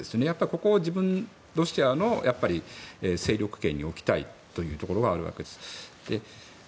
ここをロシアの勢力圏に置きたいところはあるわけです。